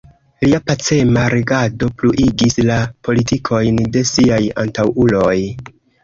Lia pacema regado pluigis la politikojn de siaj antaŭuloj.